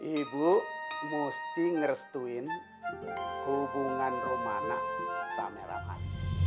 ibu mesti ngerestuin hubungan romana sama rahat